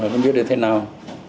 không biết là thế nào